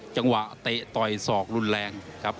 จังหวะเตะต่อยศอกรุนแรงครับ